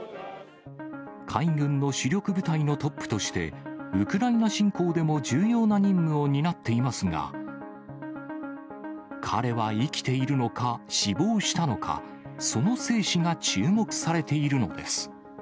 海軍の主力部隊のトップとして、ウクライナ侵攻でも重要な任務を担っていますが、彼は生きているのか、死亡したのか、その生死が注目されているのです。